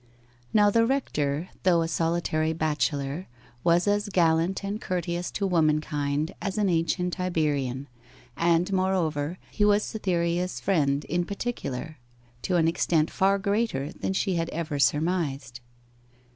Now the rector, though a solitary bachelor, was as gallant and courteous to womankind as an ancient Iberian; and, moreover, he was Cytherea's friend in particular, to an extent far greater than she had ever surmised.